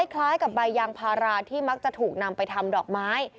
คล้ายกับใบยางพาราที่มักจะถูกนำไปทำดอกไม้